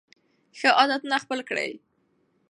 ښه عادتونه خپل کړئ.